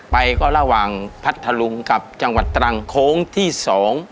ไปก็ระหว่างพัทธลุงกับจังหวัดตรังโค้งที่สอง